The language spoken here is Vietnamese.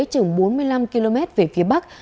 chừng bốn mươi năm km về phía bắc